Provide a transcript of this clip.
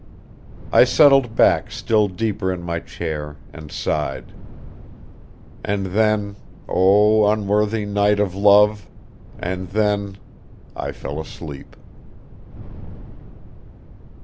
I settled back still deeper in my chair and sighed. And then O unworthy knight of love! and then, I fell asleep.